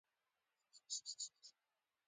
د توسا قلمرو سره له وړاندې لاسلیک کړی و.